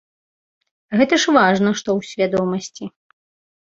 Гэта ж важна, што ў свядомасці.